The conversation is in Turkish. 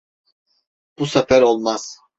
Bu sefer olmaz.